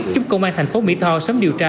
chúc công an thành phố mỹ tho sớm điều tra